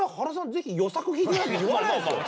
ぜひ『与作』弾いて」なんて言わないですよ。